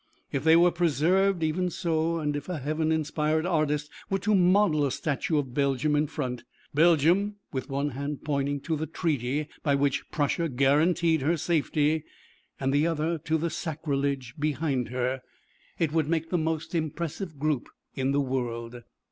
If they were preserved even so, and if a heaven inspired artist were to model a statue of Belgium in front, Belgium with one hand pointing to the treaty by which Prussia guaranteed her safety and the other to the sacrilege behind her, it would make the most impressive group in the world.